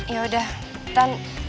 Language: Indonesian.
ya udah tan